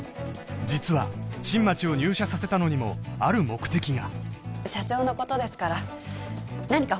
実は新町を入社させたのにもある目的が社長のことですから何か他にお考えがあるのでは？